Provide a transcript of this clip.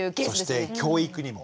そして教育にも。